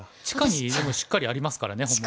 地下にでもしっかりありますからね